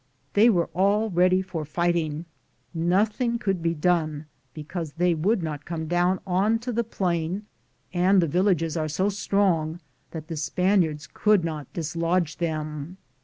They were all ready for fight ing. Nothing could be done, because they would not come down on to the plain and the villages are so strong that the Spaniards could not dislodge them.